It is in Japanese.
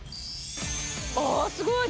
ああすごい！